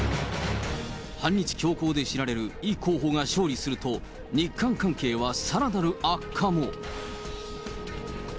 反日強硬で知られるイ候補が勝利すると、日韓関係はさらなる悪化も。